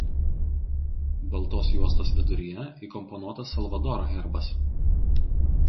Baltos juostos viduryje įkomponuotas Salvadoro herbas.